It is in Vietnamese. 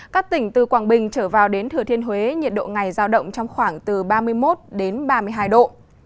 các tỉnh từ quảng bình trở vào đến thừa thiên huế nhiệt độ ngày giao động trong khoảng từ ba mươi một đến ba mươi hai độ